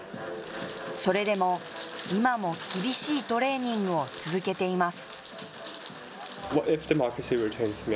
それでも今も厳しいトレーニングを続けています。